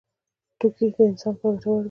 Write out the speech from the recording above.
توکي د انسان لپاره ګټور دي.